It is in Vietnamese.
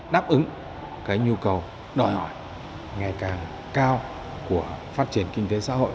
đáp ứng cái nhu cầu đòi hỏi ngày càng cao của phát triển kinh tế xã hội